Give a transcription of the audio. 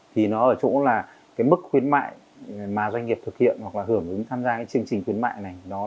thì nó ở chỗ là mức khuyến mại mà doanh nghiệp thực hiện hoặc hưởng ứng tham gia chương trình khuyến mại này